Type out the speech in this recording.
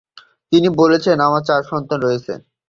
তিনি বলেছিলেন, আমার চার সন্তান রয়েছে।